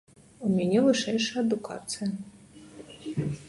У мяне вышэйшая адукацыя.